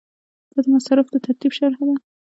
دا د مصارفو د ترتیب شرحه ده.